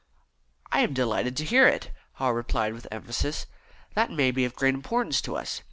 "I am delighted to hear it," Haw replied with emphasis. "That may be of great importance to us.